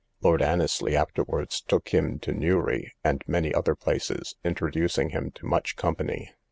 Lord Annesly afterwards took him to Newry and many other places, introducing him to much company.